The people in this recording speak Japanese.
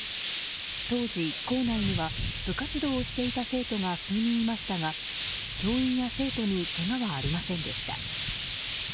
当時、校内には部活動をしていた生徒が数人いましたが教員や生徒にけがはありませんでした。